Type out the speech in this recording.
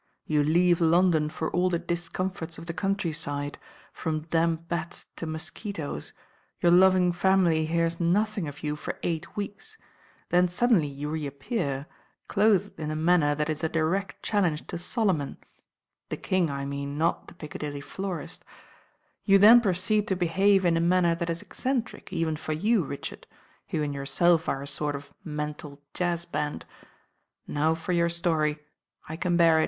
You leave London for aU he di, comfort, of the country side, from damp bed, to mo, quitoes, your loving family hear, noth ing of you for eight weeks, then suddenly you reap pear, clothed in a manner that is a dire« challen *» Solomon Ae king, I mean, not the PiccadUty florist You then proceed to behave in a manner S20 THE RAIN GIRL that ,s eccentric, even for you, Richard, who in your self are a sort of mental jazz band. Now for your story, I can bear k."